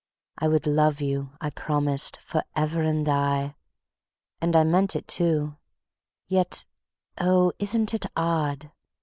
I would love you, I promised, forever and aye, And I meant it too; yet, oh, isn't it odd?